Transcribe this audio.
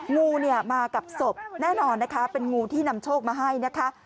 งูเนี่ยมากับศพแน่นอนนะคะเป็นงูที่นำโชคมาให้นะคะ